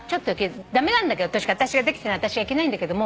駄目なんだけどできてない私がいけないんだけども。